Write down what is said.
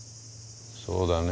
そうだね。